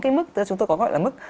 cái mức chúng tôi có gọi là mức